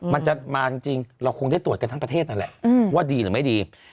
มันจะมาจริงเราคงได้ตรวจกันทั้งประเทศนั่นแหละว่าดีหรือไม่ดี